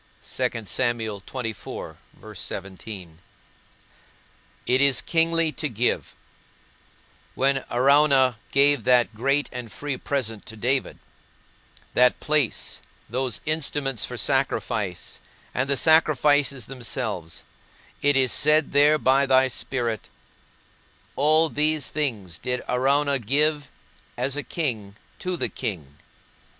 It is kingly to give; when Araunah gave that great and free present to David, that place, those instruments for sacrifice, and the sacrifices themselves, it is said there by thy Spirit, All these things did Araunah give, as a king, to the king.